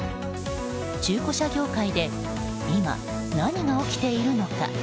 中古車業界で今、何が起きているのか。